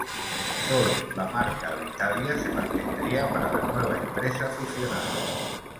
Sólo la marca Alitalia se mantendría para la nueva empresa fusionada.